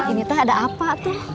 ini teh ada apa tuh